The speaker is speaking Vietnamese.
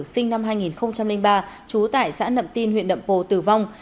sinh năm hai nghìn ba trú tại xã nậm tin huyện nậm pồ tử vong